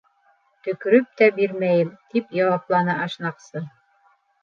—Төкөрөп тә бирмәйем, —тип яуапланы ашнаҡсы.